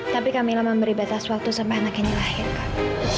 tapi kak mila memberi batas waktu sampai anak ini lahir kak